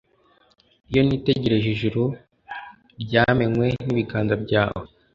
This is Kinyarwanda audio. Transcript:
iyo nitegereje ijuru ryaremwe n'ibiganza byawe